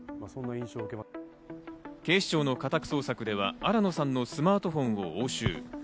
警視庁の家宅捜索では新野さんのスマートフォンを押収。